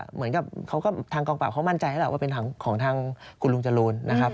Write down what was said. เหมือนกับเขาก็ทางกองปราบเขามั่นใจแล้วแหละว่าเป็นของทางคุณลุงจรูนนะครับ